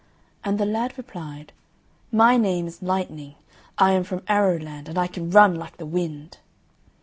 And the lad replied, "My name is Lightning; I am from Arrowland, and I can run like the wind."